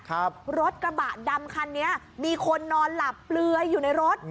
รถกระบะดำคันนี้มีคนนอนหลับเปลือยอยู่ในรถ